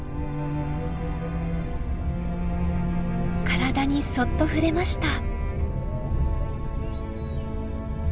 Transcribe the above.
体にそっと触れました。